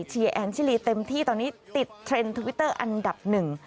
แอนชิลีเต็มที่ตอนนี้ติดเทรนด์ทวิตเตอร์อันดับหนึ่ง